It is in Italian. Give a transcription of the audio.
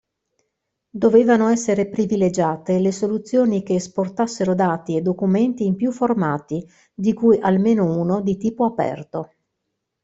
Dovevano essere privilegiate le soluzioni che esportassero dati e documenti in più formati, di cui almeno uno di tipo aperto.